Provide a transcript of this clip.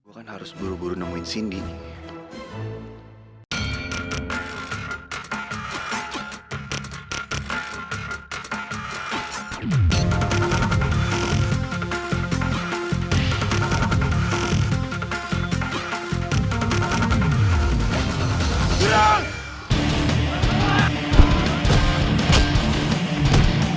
gue kan harus buru buru nemuin cindy nih